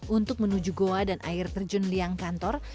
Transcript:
untuk menuju goa dan air terjun liang kantor